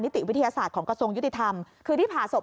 ติวิทยาศาสตร์ของกระทรวงยุติธรรมคือที่ผ่าศพ